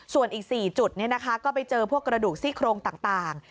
ส่วนอีก๔จุดก็ไปเจอพวกกระดูกซี่โครงต่าง